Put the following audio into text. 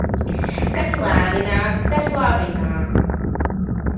Kas lēni nāk, tas labi nāk.